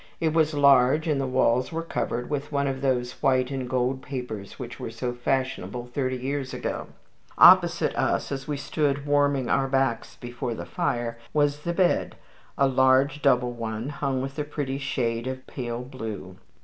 It was large, and the walls were covered with one of those white and gold papers which were fashionable thirty years ago. Opposite us, as we stood warming our backs before the fire, was the bed a large double one, hung with a pretty shade of pale blue.